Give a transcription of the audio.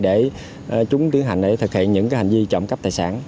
để chúng tiến hành để thực hiện những hành vi trộm cắp tài sản